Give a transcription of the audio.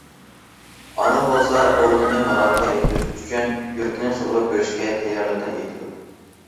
ئانا بولسا ئوغلىنى مۇرادىغا يەتكۈزۈش ئۈچۈن يۈرىكىنى سۇغۇرۇپ بېرىشكە تەييارلىقىنى ئېيتىدۇ.